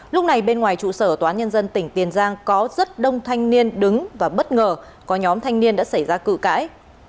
lúc này bên ngoài trụ sở tòa án nhân dân tỉnh tiền giang có rất đông thanh niên đứng và bất ngờ có nhóm thanh niên đã xảy ra cự cãi